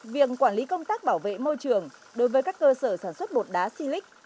việc quản lý công tác bảo vệ môi trường đối với các cơ sở sản xuất bột đá xi lích